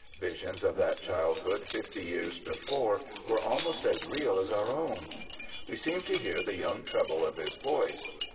Visions of that childhood, fifty years before, were almost as real as our own. We seemed to hear the young treble of his voice.